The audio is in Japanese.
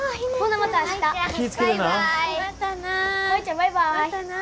またな。